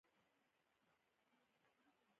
منظم تمرینونه ستاسې پر عضلاتي سیستم اغېزه لري.